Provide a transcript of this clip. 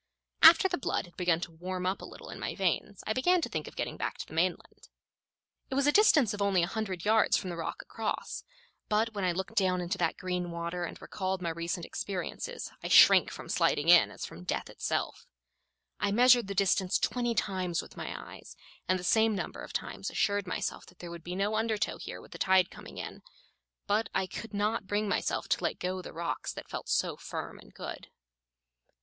After the blood had begun to warm up a little in my veins I began to think of getting back to the mainland. It was a distance of only a hundred yards from the rock across, but when I looked down into that green water and recalled my recent experiences I shrank from sliding in as from death itself. I measured the distance twenty times with my eyes, and the same number of times assured myself that there would be no undertow here with the tide coming in, but I could not bring myself to let go the rocks that felt so firm and good.